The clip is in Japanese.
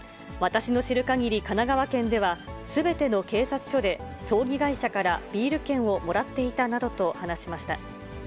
私の知るかぎり、神奈川県ではすべての警察署で、葬儀会社からビール券をもらっていたなどと話しました。